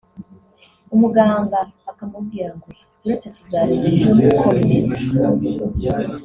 umuganga akamubwira ngo buretse tuzareba ejo uko bimeze